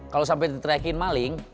kalau sampai diteriakin maling